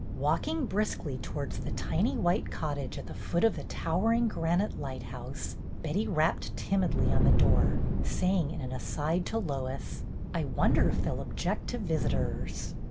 Walking briskly towards the tiny white cottage at the foot of the towering granite lighthouse, Betty rapped timidly on the door, saying in an aside to Lois: "I wonder if they 'll object to visitors."